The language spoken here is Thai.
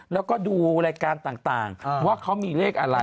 แล้วก็ดูรายการต่างว่าเขามีเลขอะไร